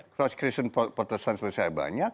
cross christian protestan seperti saya banyak